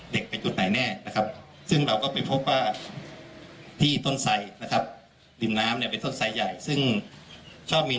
เด็กกาสิ้นพวกเขาทำดินน้ำเป็นสี่๖๓ดิน้ำใหญ่ซึ่งชอบมี